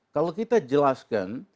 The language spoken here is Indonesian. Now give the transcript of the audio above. kalau kita jelaskan